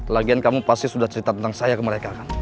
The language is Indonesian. lagian kamu pasti sudah cerita tentang saya ke mereka